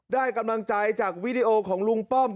ได้กำลังใจจากวีดีโอของลุงป้อม